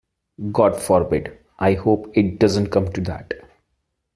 God forbid! I hope it doesn't come to that.